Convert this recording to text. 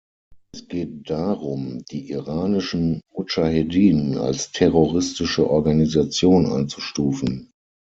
Es geht darum, die iranischen Mudschaheddin als terroristische Organisation einzustufen.